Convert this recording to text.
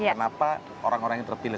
kenapa orang orang yang terpilih